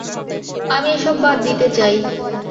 আমি এসব বাদ দিতে চাই।